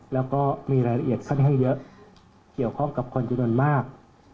แล้วก็มีรายละเอียดให้เยอะเขียวข้องกับคนจนมนต์มาก